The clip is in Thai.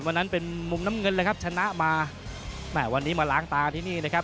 วันนั้นเป็นมุมน้ำเงินเลยครับชนะมาแม่วันนี้มาล้างตาที่นี่นะครับ